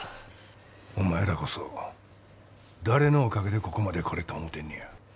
お前らこそ誰のおかげでここまで来れた思うてんねや。